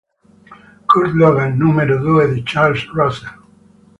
Kurt Logan: numero due di Charles Russel.